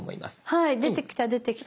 はい出てきた出てきた。